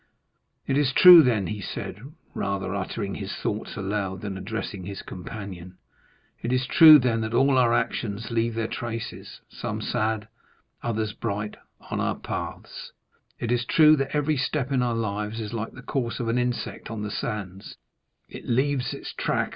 "It is true, then," he said, rather uttering his thoughts aloud than addressing his companion,—"it is true, then, that all our actions leave their traces—some sad, others bright—on our paths; it is true that every step in our lives is like the course of an insect on the sands;—it leaves its track!